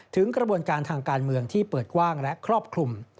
ถึงกระบวนการทางการเมืองที่เปิดกว้างและครอบคลุม